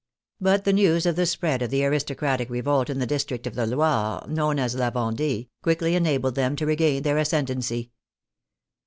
But the news of the spread of the aristocratic revolt in the district of the Loire known as La Vendee, quickly enabled them to regain their ascendancy.